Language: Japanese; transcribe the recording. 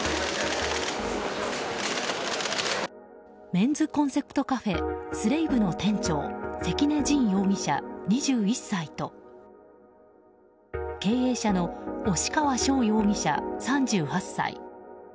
メンズコンセプトカフェＳｌａｖｅの店長関根心容疑者、２１歳と経営者の押川翔容疑者、３８歳。